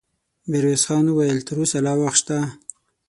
ميرويس خان وويل: تر اوسه لا وخت شته.